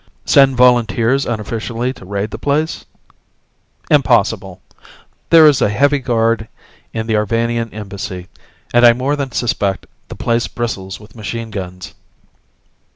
"Send volunteers unofficially to raid the place?" "Impossible. There is a heavy guard in the Arvanian Embassy; and I more than suspect the place bristles with machine guns."